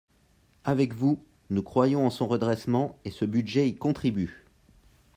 Avec vous, nous croyons en son redressement et ce budget y contribue